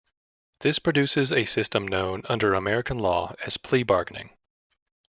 This produces a system known under American law as plea bargaining.